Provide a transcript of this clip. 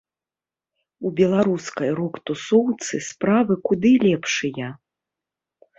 У беларускай рок-тусоўцы справы куды лепшыя.